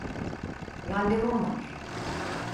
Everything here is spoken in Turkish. Randevum var.